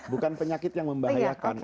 bukan penyakit yang membahayakan